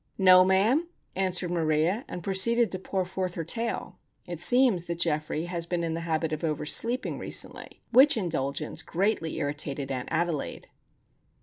"No, ma'am," answered Maria; and proceeded to pour forth her tale. It seems that Geoffrey has been in the habit of over sleeping recently, which indulgence greatly irritated Aunt Adelaide.